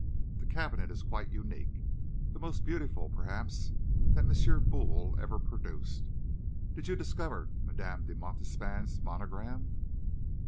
The cabinet is quite unique the most beautiful, perhaps, that M. Boule ever produced. Did you discover Madame de Montespan's monogram?"